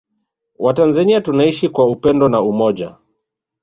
Watanzania tunaishi kwa upendo na umoja